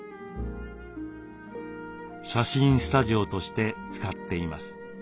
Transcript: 写真スタジオとして使っています。